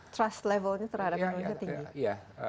trust levelnya terhadap indonesia tinggi